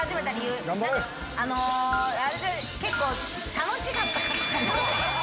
結構楽しかったから？